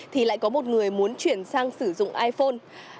thì lại có một người muốn chuyển sang sử dụng iphone